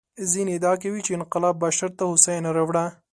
ځینې ادعا کوي چې انقلاب بشر ته هوساینه راوړه.